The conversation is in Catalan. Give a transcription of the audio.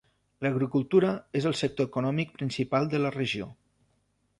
L'agricultura és el sector econòmic principal de la regió.